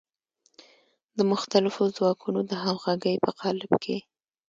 د مختلفو ځواکونو د همغږۍ په قالب کې.